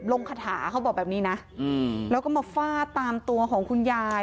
คาถาเขาบอกแบบนี้นะแล้วก็มาฟาดตามตัวของคุณยาย